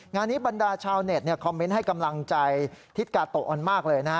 งานนี้บรรดาชาวเน็ตคอมเมนต์ให้กำลังใจทิศกาโตะอ่อนมากเลยนะฮะ